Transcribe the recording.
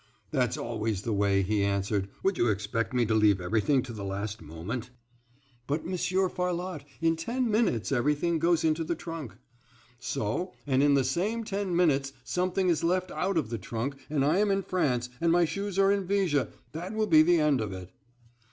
"That's always the way," he answered. "Would you expect me to leave everything until the last moment?" "But, Monsieur Farlotte, in ten minutes everything goes into the trunk." "So, and in the same ten minutes something is left out of the trunk, and I am in France, and my shoes are in Viger, that will be the end of it."